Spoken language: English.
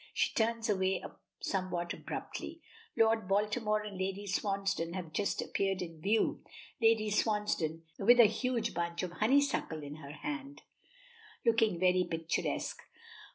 She turns away somewhat abruptly. Lord Baltimore and Lady Swansdown have just appeared in view, Lady Swansdown with a huge bunch of honeysuckle in her hand, looking very picturesque.